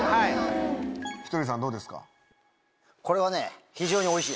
ひとりさんどうですか？